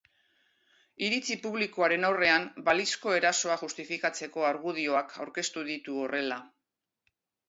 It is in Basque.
Iritzi publikoaren aurrean balizko erasoa justifikatzeko argudioak aurkeztu ditu horrela.